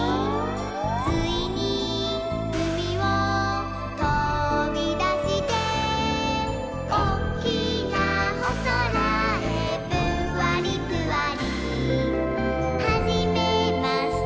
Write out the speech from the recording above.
「ついにうみをとびだして」「おっきなおそらへぷんわりぷわり」「はじめまして